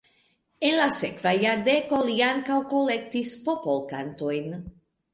En la sekva jardeko li ankaŭ kolektis popolkantojn.